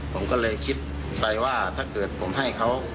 ผมก็เลยคิดไปว่าถ้าเกิดผมให้เขา